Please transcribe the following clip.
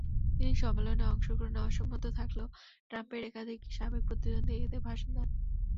তিনি সম্মেলনে অংশগ্রহণে অসম্মত থাকলেও ট্রাম্পের একাধিক সাবেক প্রতিদ্বন্দ্বী এতে ভাষণ দেন।